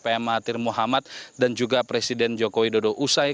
pemahatir mohamad dan juga presiden jokowi dodo usai